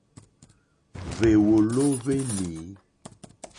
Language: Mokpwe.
Hwèwòló hwé nǐ.